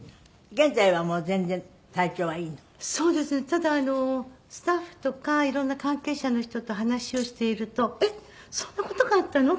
ただスタッフとか色んな関係者の人と話をしているとえっそんな事があったの？